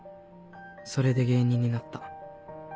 それで芸人になった。